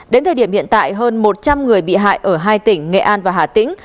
đến thời điểm hiện tại hơn một trăm linh người bị hại ở hai tỉnh nghệ an và hà tĩnh